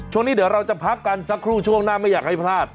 ช่วงนี้เดี๋ยวเราจะพักกันสักครู่ช่วงหน้าไม่อยากให้พลาด